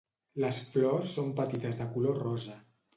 Les flors són petites de color rosa.